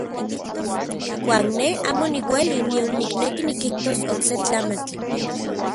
Uan ne amo niueli nion nikneki nikijtos okse tlamantli.